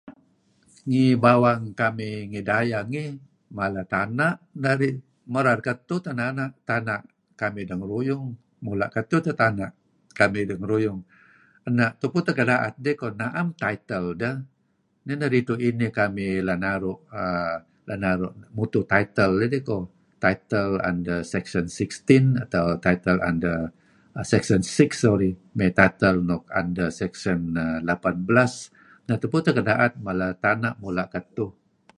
Ngi bawang kamih ngi dayeh ngih mala tana' narih merar ketuh teh tana' kamih dengeruyung, mula' ketuh teh tana' kamih dengeruyung, ena' tupu teh ken da'et dih koh na'em title deh. Nih neh ridtu' inih kamih la' naru' mutuh title dih koh, title under Section sixteen, atau title under Section Six sorry meytitle nuk under Section Lapanbelas neh tupu teh keda'et mala taha' mula' ketuh.